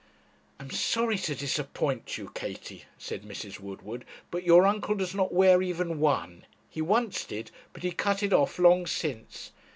'I am sorry to disappoint you, Katie,' said Mrs. Woodward, 'but your uncle does not wear even one; he once did, but he cut it off long since.'